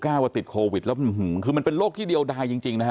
ว่าติดโควิดแล้วคือมันเป็นโรคที่เดียวดายจริงนะฮะ